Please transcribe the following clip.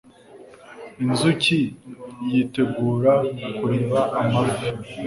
inzuki yitegura kureba amafi